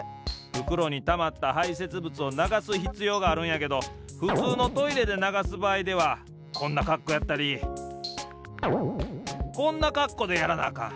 ふくろにたまったはいせつぶつをながすひつようがあるんやけどふつうのトイレでながすばあいではこんなかっこうやったりこんなかっこうでやらなあかん。